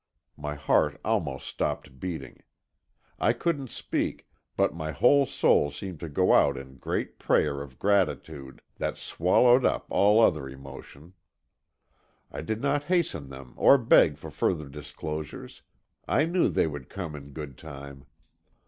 My heart almost stopped beating. I couldn't speak, but my whole soul seemed to go out in a great prayer of gratitude that swallowed up all other emotion. I did not hasten them or beg for further disclosures; I knew they would come in good time.